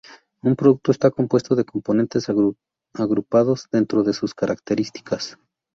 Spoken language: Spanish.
Un producto está compuesto de componentes agrupados dentro de sus características.